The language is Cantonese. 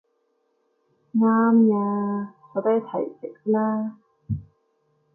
啱吖，坐低一齊食啦